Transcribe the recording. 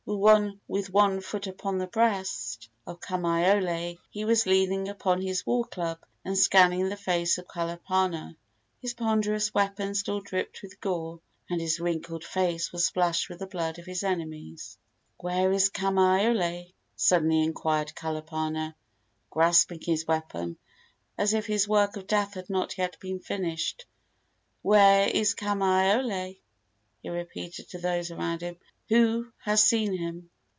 With one foot upon the breast of Kamaiole, he was leaning upon his war club and scanning the face of Kalapana. His ponderous weapon still dripped with gore, and his wrinkled face was splashed with the blood of his enemies. "Where is Kamaiole?" suddenly inquired Kalapana, grasping his weapon, as if his work of death had not yet been finished. "Where is Kamaiole?" he repeated to those around him. "Who has seen him?"